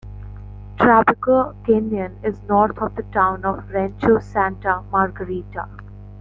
Trabuco Canyon is north of the town of Rancho Santa Margarita.